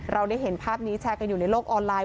เราได้เห็นภาพนี้แชร์กันอยู่ในโลกออนไลน์